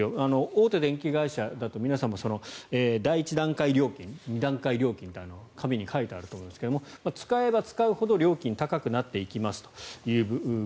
大手電気会社だと皆さんも第１段階料金２段階料金って紙に書いてありますが使えば使うほど高くなっていきます。